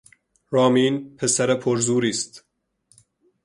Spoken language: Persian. رامین پسر پرزوری است.